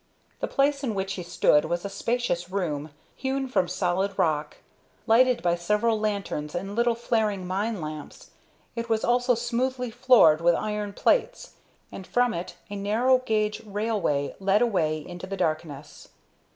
The place in which he stood was a spacious room, hewn from solid rock. Lighted by several lanterns and little, flaring mine lamps, it was also smoothly floored with iron plates, and from it a narrow gauge railway led away into the blackness.